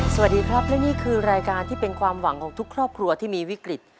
สวัสดีครับและนี่คือรายการที่เป็นความหวังของทุกครอบครัวที่มีวิกฤต